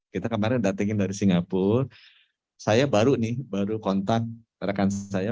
kita kemarin datangin dari singapura saya baru nih baru kontak rekan saya